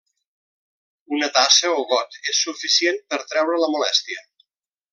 Una tassa o got és suficient per treure la molèstia.